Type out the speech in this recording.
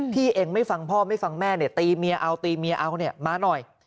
พี่เองไม่ฟังพ่อไม่ฟังแม่เนี่ยตีเมียเอาตีเมียเอาเนี่ยมาหน่อย